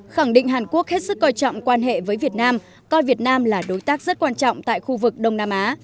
khẳng định hàn quốc hết sức coi trọng quan hệ với việt nam coi việt nam là đối tác rất quan trọng tại khu vực đông nam á